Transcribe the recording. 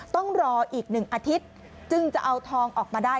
ต้องรออีก๑อาทิตย์จึงจะเอาทองออกมาได้